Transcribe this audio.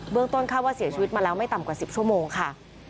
ต้นข้าวว่าเสียชีวิตมาแล้วไม่ต่ำกว่า๑๐ชั่วโมงค่ะ